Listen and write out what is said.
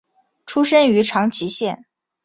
出身于长崎县。